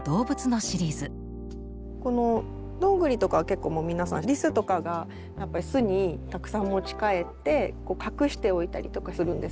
このどんぐりとかは結構もう皆さんリスとかが巣にたくさん持ち帰って隠しておいたりとかするんですけど。